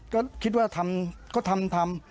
ก็คิดว่าทำก็ทำทำ